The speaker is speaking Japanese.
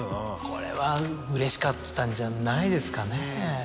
これはうれしかったんじゃないですかね？